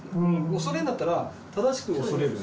恐れるんだったら正しく恐れると。